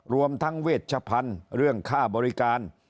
รวมทั้งเวชพันธุ์เรื่องค่าบริการ